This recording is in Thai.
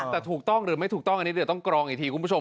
แต่ถูกต้องหรือไม่ถูกต้องอันนี้เดี๋ยวต้องกรองอีกทีคุณผู้ชม